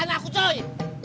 perasaan aku cuy